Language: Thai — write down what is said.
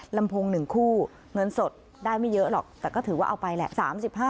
ลำโพง๑คู่เงินสดได้ไม่เยอะหรอกแต่ก็ถือว่าเอาไปแหละ